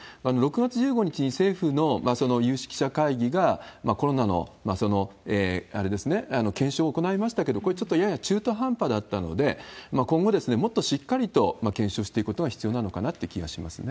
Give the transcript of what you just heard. ６月１５日に、政府のその有識者会議が、コロナの検証を行いましたけど、これ、ちょっとやや中途半端だったので、今後、もっとしっかりと検証していくことが必要なのかなって気がします